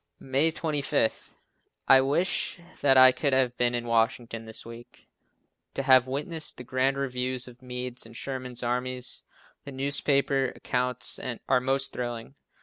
May 25. I wish that I could have been in Washington this week, to have witnessed the grand review of Meade's and Sherman's armies. The newspaper accounts are most thrilling.